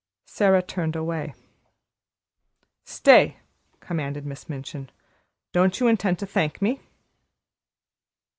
Sara turned away. "Stay," commanded Miss Minchin, "don't you intend to thank me?"